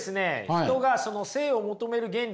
人がその聖を求める原理